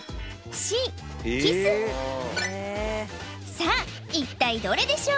さあ一体どれでしょう？